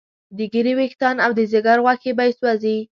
د ږیرې ویښتان او د ځیګر غوښې به یې سوځي.